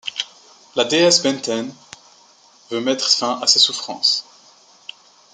La déesse Benten veut mettre fin à ces souffrances.